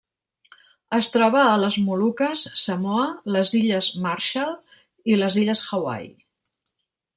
Es troba a les Moluques, Samoa, les Illes Marshall i les Illes Hawaii.